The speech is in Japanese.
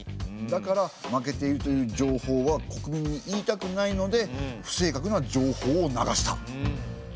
だから負けているという情報は国民に言いたくないので不正確な情報を流した。